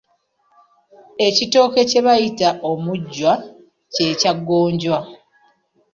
Ekitooke kye bayita omujjwa kye kya gonja.